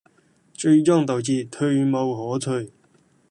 最終導致退無可退